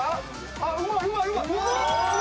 あっうまいうまいうまっ！